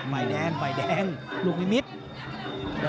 บ่ายแดงบ่ายแดงลุงมิตร